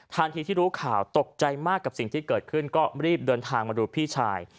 ที่รู้ข่าวตกใจมากกับสิ่งที่เกิดขึ้นก็รีบเดินทางมาดูพี่ชาย